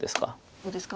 どうですか？